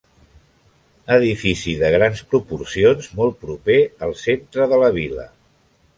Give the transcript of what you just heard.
Edifici de grans proporcions molt proper al centre de la vila.